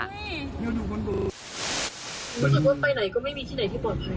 รู้สึกว่าไปไหนก็ไม่มีที่ไหนที่ปลอดภัย